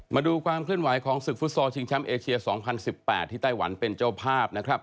มาดูความเคลื่อนไหวของศึกฟุตซอลชิงแชมป์เอเชีย๒๐๑๘ที่ไต้หวันเป็นเจ้าภาพนะครับ